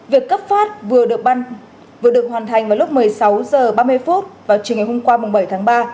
việc cấp phát vừa được hoàn thành vào lúc một mươi sáu h ba mươi vào trường ngày hôm qua bảy tháng ba